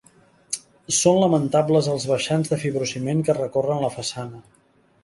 Són lamentables els baixants de fibrociment que recorren la façana.